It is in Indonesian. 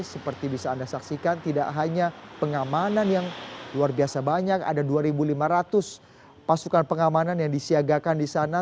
seperti bisa anda saksikan tidak hanya pengamanan yang luar biasa banyak ada dua lima ratus pasukan pengamanan yang disiagakan di sana